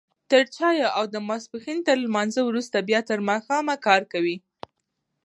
تر چايو او د ماسپښين تر لمانځه وروسته بيا تر ماښامه کار کوي.